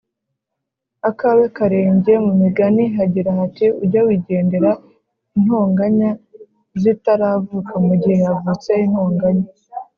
akawe karenge Mu Migani hagira hati ujye wigendera intonganya zitaravuka Mu gihe havutse intonganya